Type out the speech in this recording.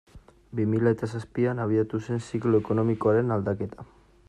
Bi mila eta zazpian abiatu zen ziklo ekonomikoaren aldaketa.